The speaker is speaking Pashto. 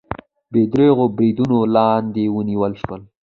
بې درېغو بریدونو لاندې ونیول شول